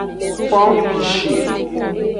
Pompishi.